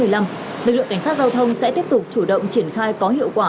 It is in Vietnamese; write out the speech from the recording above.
lực lượng cảnh sát giao thông sẽ tiếp tục chủ động triển khai có hiệu quả